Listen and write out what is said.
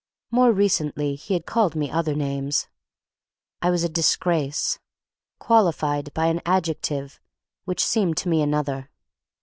More recently he had called me other names. I was a disgrace, qualified by an adjective which seemed to me another.